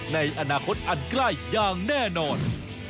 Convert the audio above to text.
ในอนาคตอันใกล้อย่างแน่นอน